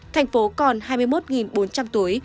thành phố còn hai mươi một bốn trăm linh túi